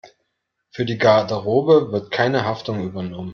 Für die Garderobe wird keine Haftung übernommen.